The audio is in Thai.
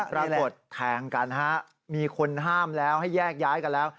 ปรากฏแทงกันฮะมีคนห้ามแล้วให้แยกย้ายกันแล้ว